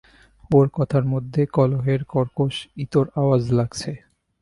ওর কথার মধ্যে কলহের কর্কশ ইতর আওয়াজ লাগছে।